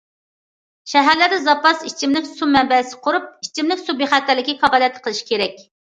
شەھەرلەردە زاپاس ئىچىملىك سۇ مەنبەسى قۇرۇپ، ئىچىملىك سۇ بىخەتەرلىكىگە كاپالەتلىك قىلىش كېرەك.